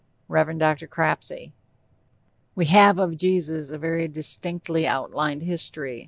REV. DR. CRAPSEY: "We have of Jesus a very distinctly outlined history.